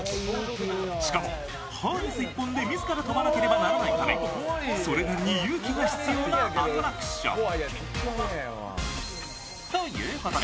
しかもハーネス１本で自ら飛ばなきゃならないためそれなりに勇気が必要なアトラクション。